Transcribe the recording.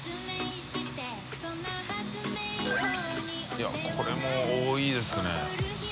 いこれも多いですね。